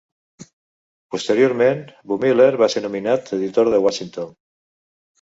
Posteriorment, Bumiller va ser nomenat editor de Washington.